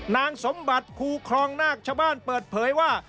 นางสมบัติครูครองนาคชาวบ้านเปิดเผยว่า